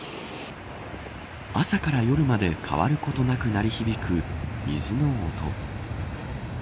朝から夜まで変わることなくなり響く水の音。